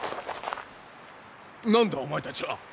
何だお前たちは！